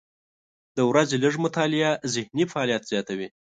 د ورځې لږه مطالعه ذهني فعالیت زیاتوي.